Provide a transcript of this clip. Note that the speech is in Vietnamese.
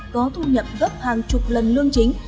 có thu nhập gấp hàng chục lần lương chính